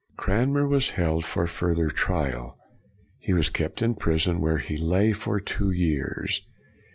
Cranmer was held for further trial. He was kept in prison, where he lay for two years.